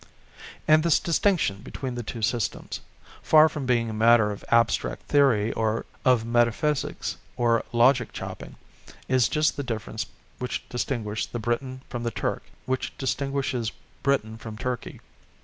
And this distinction between the two systems, far from being a matter of abstract theory of metaphysics or logic chopping, is just the difference which distinguishes the Briton from the Turk, which distinguishes Britain from Turkey.